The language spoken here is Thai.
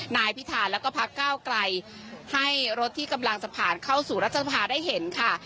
นายพิธาแล้วก็พักก้าวไกลให้รถที่กำลังจะผ่านเข้าสู่รัฐสภาได้เห็นค่ะ